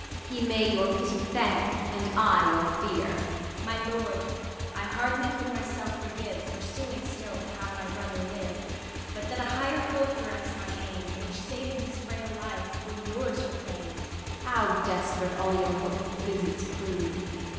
He may your pity thank, and I your fear. IsAB. My lord, I hardly could my self forgive For suing still to have my brother live, But that a higher hope directs my aim ; Which, saving his frail life, would your's reclaim. Ang. How desp'rate all your hopeful visits prove